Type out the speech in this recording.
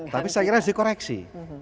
tapi saya kira harus dikoreksi